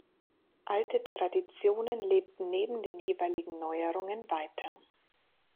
Alte Traditionen lebten neben den jeweiligen Neuerungen weiter.